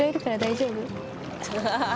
ハハハハ！